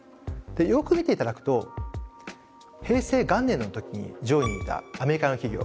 よく見て頂くと平成元年の時に上位にいたアメリカの企業